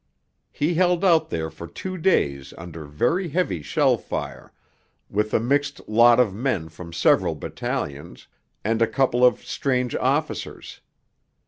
He held out there for two days under very heavy shell fire, with a mixed lot of men from several battalions, and a couple of strange officers.